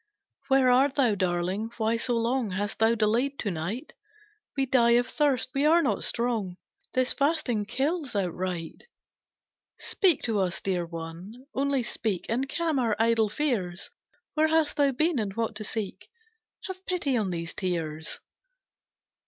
"Where art thou, darling why so long Hast thou delayed to night? We die of thirst, we are not strong, This fasting kills outright. "Speak to us, dear one, only speak, And calm our idle fears, Where hast thou been, and what to seek? Have pity on these tears."